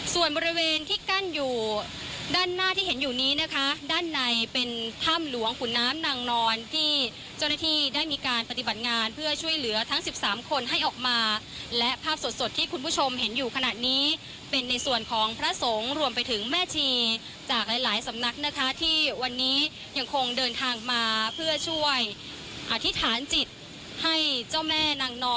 ส่วนบริเวณที่กั้นอยู่ด้านหน้าที่เห็นอยู่นี้นะคะด้านในเป็นถ้ำหลวงขุนน้ำนางนอนที่เจ้าหน้าที่ได้มีการปฏิบัติงานเพื่อช่วยเหลือทั้ง๑๓คนให้ออกมาและภาพสดสดที่คุณผู้ชมเห็นอยู่ขณะนี้เป็นในส่วนของพระสงฆ์รวมไปถึงแม่ชีจากหลายหลายสำนักนะคะที่วันนี้ยังคงเดินทางมาเพื่อช่วยอธิษฐานจิตให้เจ้าแม่นางนอน